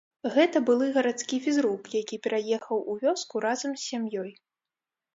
Гэта былы гарадскі фізрук, які пераехаў у вёску разам з сям'ёй.